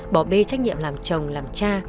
bỏ bê trách nhiệm làm chồng làm cha